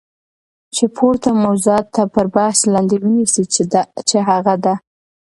چی پورته موضوعات تر بحث لاندی ونیسی چی هغه د